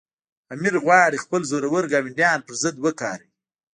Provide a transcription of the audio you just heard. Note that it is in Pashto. امیر غواړي خپل زورور ګاونډیان پر ضد وکاروي.